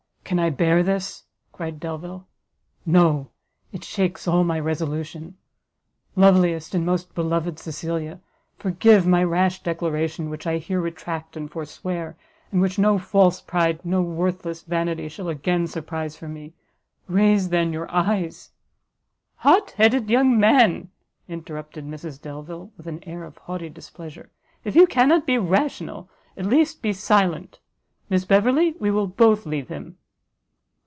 "Can I bear this!" cried Delvile, "no, it shakes all my resolution! loveliest and most beloved Cecilia! forgive my rash declaration, which I hear retract and forswear, and which no false pride, no worthless vanity shall again surprise from me! raise, then, your eyes " "Hot headed young man!" interrupted Mrs Delvile, with an air of haughty displeasure, "if you cannot be rational, at least be silent. Miss Beverley, we will both leave him."